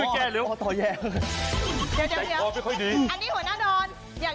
เดี๋ยวอันนี้หัวหน้าดอนอยากได้หัวหน้าดอน